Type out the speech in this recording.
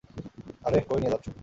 আরেহ, কই নিয়ে যাচ্ছো।